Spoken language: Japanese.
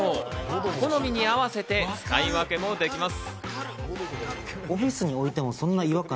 お好みに合わせて使い分けもできます。